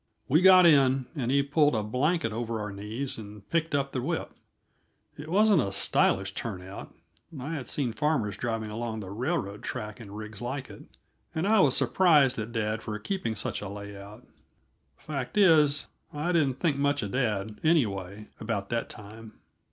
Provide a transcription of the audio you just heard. We got in, and he pulled a blanket over our knees and picked up the whip. It wasn't a stylish turnout I had seen farmers driving along the railroad track in rigs like it, and I was surprised at dad for keeping such a layout. Fact is, I didn't think much of dad, anyway, about that time.